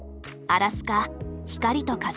「アラスカ光と風」。